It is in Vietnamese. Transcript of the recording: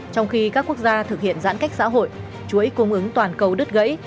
trong khi các quốc gia thực hiện giãn cách xã hội chuỗi cung ứng toàn cầu đứt gãy